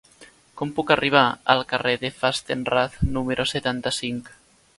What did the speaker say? Com puc arribar al carrer de Fastenrath número setanta-cinc?